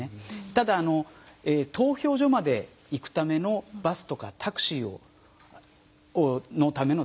ただ投票所まで行くためのバスとかタクシーのためのですね